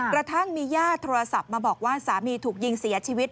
กระทั่งมีญาติโทรศัพท์มาบอกว่าสามีถูกยิงเสียชีวิต